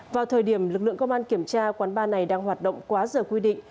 vào thời điểm lực lượng công an kiểm tra quán bar này đang hoạt động quá giờ quy định